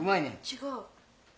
違う。